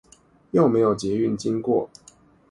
又沒有捷運經過